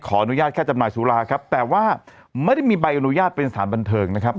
อนุญาตแค่จำหน่ายสุราครับแต่ว่าไม่ได้มีใบอนุญาตเป็นสถานบันเทิงนะครับ